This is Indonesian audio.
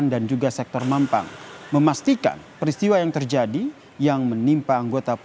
dia sampai di jakarta